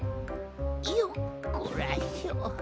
よっこらしょ。